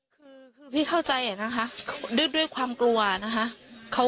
คือพี่เข้าใจนะคะด้วยความกลัวนะคะ